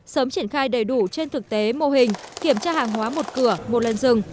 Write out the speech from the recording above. sớm triển khai đầy đủ trên thực tế mô hình kiểm tra hàng hóa một cửa một lần rừng